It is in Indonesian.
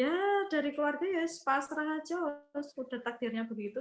ya dari keluarga ya pasrah aja terus udah takdirnya begitu